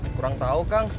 kurang tau kang